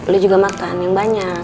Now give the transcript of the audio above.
lo juga makan yang banyak